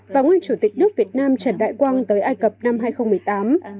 và nguyên chủ tịch nước việt nam trần đại quang tới ai cập năm hai nghìn một mươi tám